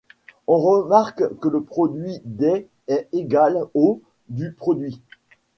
On remarque que le produit des est égale au du produit.